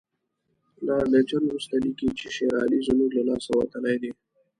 لارډ لیټن وروسته لیکي چې شېر علي زموږ له لاسه وتلی دی.